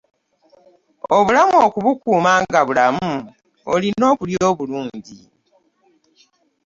obulamu okubukuuma nga bulamu olina okulya obulungi.